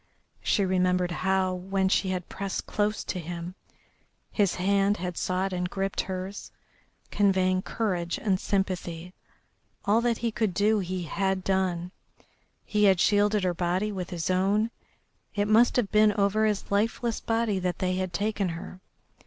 She remembered how, when she had pressed close to him, his hand had sought and gripped hers, conveying courage and sympathy. All that he could do he had done, he had shielded her body with his own, it must have been over his lifeless body that they had taken her.